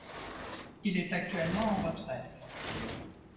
Il est actuellement en retraite.